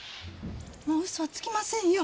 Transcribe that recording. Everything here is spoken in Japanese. もううそはつきませんよ。